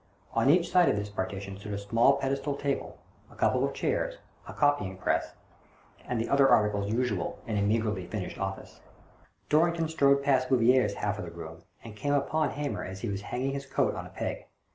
On each side of this partition stood a small pedestal table, a couple of chairs, a copying pres^, and the other articles usual in a meagrely furnished office. Dorrington strode past Bouvier's half of the room and came upon Hamer as he was hanging his coat on a peg.